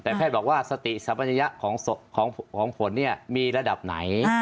แต่แพทย์บอกว่าสติสัมปัญญะของฝนเนี่ยมีระดับไหน